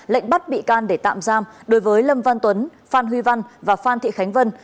lệnh bắt bị can để tạm giam đối với lâm văn tuấn phan huy văn và phan thị khánh vân